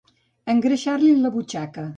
Engreixar-li la butxaca.